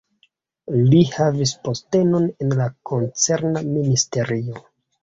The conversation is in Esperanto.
Li havis postenon en la koncerna ministerio.